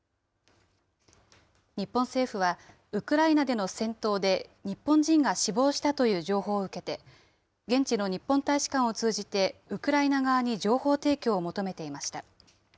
日本政府は、ウクライナでの戦闘で日本人が死亡したという情報を受けて、現地の日本大使館を通じて、ウクライナ側に情報提供を求めていました。